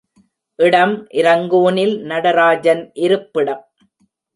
இடம் இரங்கூனில் நடராஜன் இருப்பிடம்.